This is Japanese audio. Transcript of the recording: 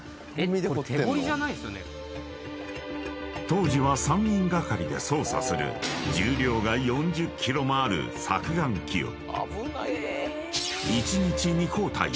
［当時は３人がかりで操作する重量が４０ｋｇもある鑿岩機を］